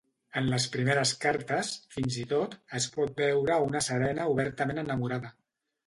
En les primeres cartes, fins i tot, es pot veure a una Serena obertament enamorada.